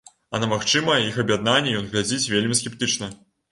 А на магчымае іх аб'яднанне ён глядзіць вельмі скептычна.